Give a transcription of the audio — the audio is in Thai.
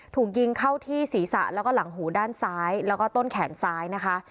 ถูกยิงเข้าที่ศีรษะแล้วก็หลังหูด้านซ้ายแล้วก็ต้นแขนซ้ายนะคะ